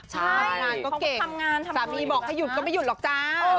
ใช่ทำงานก็เก่งสามีบอกให้หยุดก็ไม่หยุดหรอกจ๊ะ